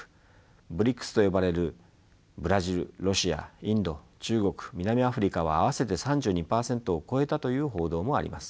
ＢＲＩＣＳと呼ばれるブラジルロシアインド中国南アフリカは合わせて３２％を超えたという報道もあります。